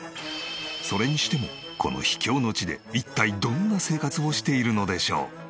それにしてもこの秘境の地で一体どんな生活をしているのでしょう？